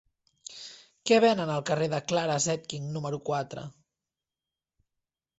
Què venen al carrer de Clara Zetkin número quatre?